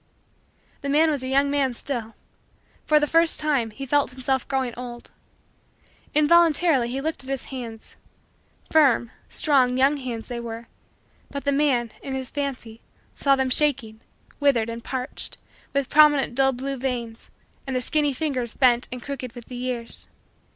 The man was a young man still. For the first time, he felt himself growing old. Involuntarily he looked at his hands; firm, strong, young hands they were, but the man, in his fancy, saw them shaking, withered, and parched, with prominent dull blue veins, and the skinny fingers bent and crooked with the years.